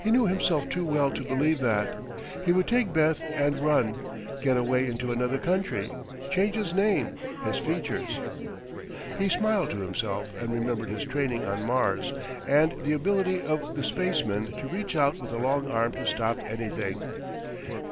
He knew himself too well to believe that. He would take Beth and run, get away into another country, change his name, his features... He smiled to himself and remembered his training on Mars, and the ability of the spacemen to reach out with a long arm to stop anything.